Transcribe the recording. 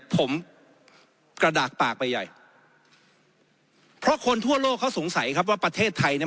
ผมกระดากปากไปใหญ่เพราะคนทั่วโลกเขาสงสัยครับว่าประเทศไทยเนี่ย